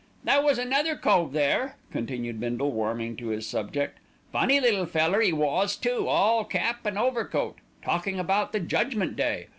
"There was another cove there," continued Bindle, warming to his subject. "Funny little feller 'e was too, all cap an' overcoat, talking about the Judgment Day.